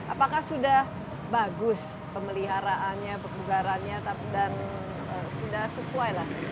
apakah sudah bagus pemeliharaannya pembubarannya dan sudah sesuai lah